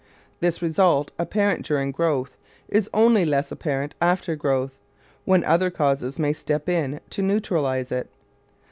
This result, apparent during growth, is only less apparent after growth, when other causes may step in to neutralize it.